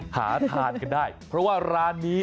หาทานกันได้เพราะว่าร้านนี้